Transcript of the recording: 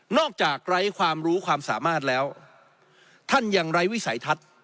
จากไร้ความรู้ความสามารถแล้วท่านยังไร้วิสัยทัศน์